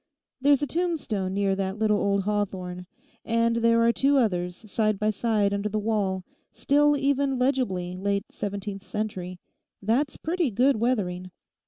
There's a tombstone near that little old hawthorn, and there are two others side by side under the wall, still even legibly late seventeenth century. That's pretty good weathering.